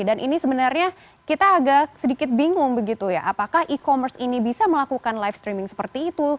dan ini sebenarnya kita agak sedikit bingung begitu ya apakah e commerce ini bisa melakukan live streaming seperti itu